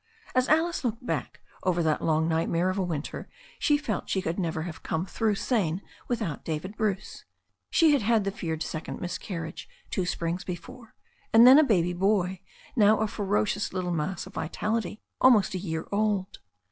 As Alice looked back over that long nightmare of a win ter, she felt she could never have come through sane with out David Bruce. She had had the feared second miscar riage two springs before, and then a baby boy, now a fero cious little mass of vitality, almost a year old.